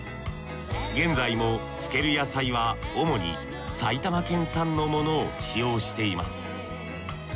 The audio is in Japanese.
現在も漬ける野菜は主に埼玉県産のものを使用しています。